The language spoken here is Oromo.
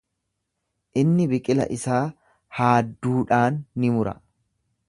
Inni biqila isaa haadduudhaan ni mura.